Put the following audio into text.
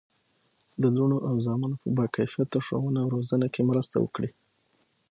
د لوڼو او زامنو په باکیفیته ښوونه او روزنه کې مرسته وکړي.